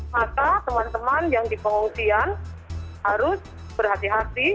maka teman teman yang dipengungsian harus berhati hati